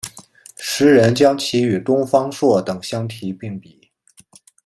时人将其与东方朔等相提并比。